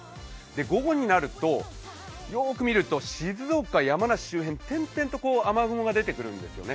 午後になるとよーく見ると静岡、山梨周辺、点々と雨雲が出てくるんですよね。